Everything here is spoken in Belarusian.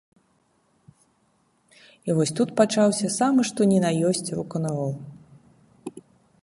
І вось тут пачаўся самы што ні на ёсць рок-н-рол.